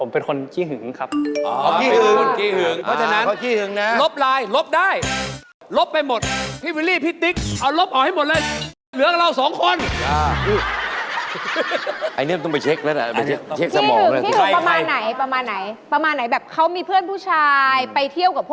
เพิ่มเค้าจริงจริงนะอะไรอย่างนี้ค่ะ